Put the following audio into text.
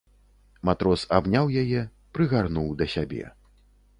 Матрос абняў яе, прыгарнуў да сябе.